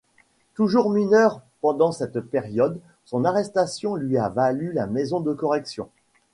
Toujours mineure pendant cette période, son arrestation lui a valu la maison de correction.